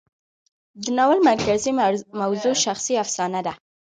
د ناول مرکزي موضوع شخصي افسانه ده.